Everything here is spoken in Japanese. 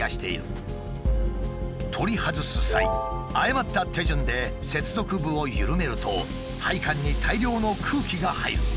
取り外す際誤った手順で接続部を緩めると配管に大量の空気が入る。